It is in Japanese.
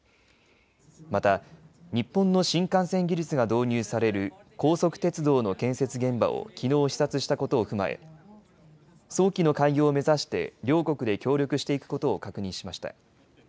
また、日本の新幹線技術が導入される高速鉄道の建設現場をきのう視察したことを踏まえ早期の開業を目指して両国で協力していくことを確認しました。